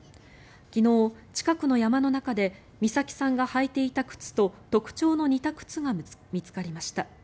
昨日、近くの山の中で美咲さんが履いていた靴と特徴の似た靴が見つかりました。